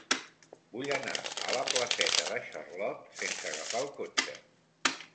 Vull anar a la placeta de Charlot sense agafar el cotxe.